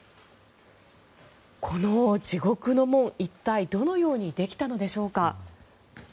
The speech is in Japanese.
この地獄の門、一体どのようにできたのでしょうか。